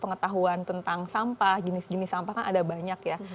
pengetahuan tentang sampah jenis jenis sampah kan ada banyak ya